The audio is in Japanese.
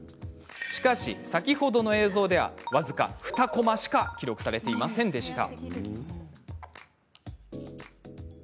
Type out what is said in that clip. しかし、先ほどの映像では僅か２コマしか記録されていませんでした。